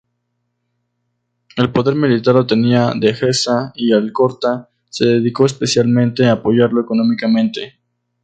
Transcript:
El poder militar lo tenía Deheza, y Alcorta se dedicó especialmente a apoyarlo económicamente.